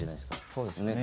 そうですね。